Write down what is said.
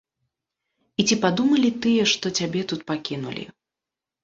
І ці падумалі тыя, што цябе тут пакінулі.